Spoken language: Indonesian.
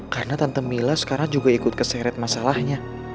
karena tante mila sekarang juga ikut keseret masalahnya